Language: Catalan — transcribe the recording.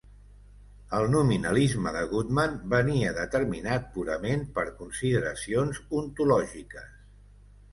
El nominalisme de Goodman venia determinat purament per consideracions ontològiques.